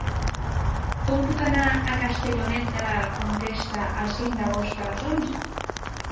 Com puc anar a Castellonet de la Conquesta el cinc d'agost a les onze?